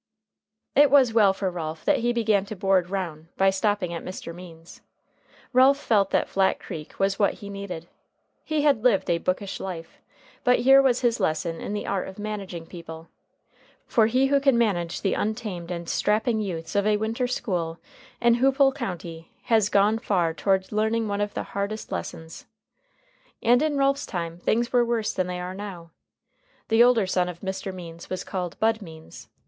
It was well for Ralph that he began to "board roun'" by stopping at Mr. Means's. Ralph felt that Flat Creek was what he needed. He had lived a bookish life; but here was his lesson in the art of managing people, for he who can manage the untamed and strapping youths of a winter school in Hoopole County has gone far toward learning one of the hardest of lessons. And in Ralph's time, things were worse than they are now. The older son of Mr. Means was called Bud Means.